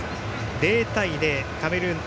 ０対０カメルーン対